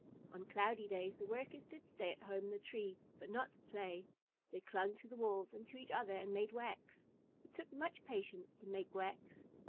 On cloudy days, the Workers did stay at home in the tree, but not to play. They clung to the walls and to each other and made wax. It took much patience to make wax.